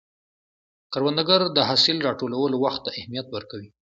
کروندګر د حاصل راټولولو وخت ته اهمیت ورکوي